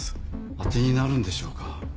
当てになるんでしょうか？